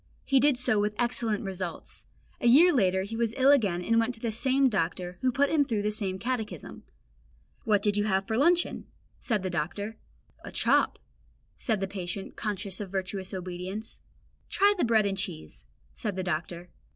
He did so with excellent results. A year later he was ill again and went to the same doctor, who put him through the same catechism. "What do you have for luncheon?" said the doctor. "A chop," said the patient, conscious of virtuous obedience. "Try bread and cheese," said the doctor.